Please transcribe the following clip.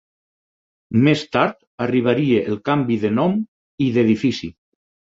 Més tard arribaria el canvi de nom i d'edifici.